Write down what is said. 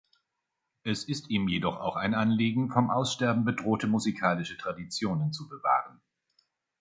Es ist ihm jedoch auch ein Anliegen, vom Aussterben bedrohte musikalische Traditionen zu bewahren.